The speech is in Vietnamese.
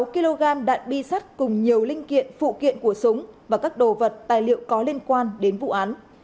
một kg đạn bi sắt cùng nhiều linh kiện phụ kiện của súng và các đồ vật tài liệu có liên quan đến vụ án